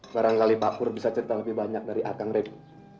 barangkali pak pur bisa cerita lebih banyak dari akangrip